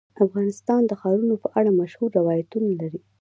افغانستان د ښارونو په اړه مشهور روایتونه لري.